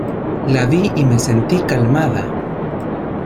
La vi y me sentí calmada.